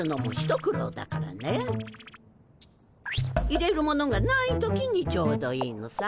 入れるものがない時にちょうどいいのさ。